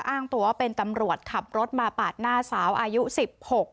อ้างตัวว่าเป็นตำรวจขับรถมาปาดหน้าสาวอายุสิบหก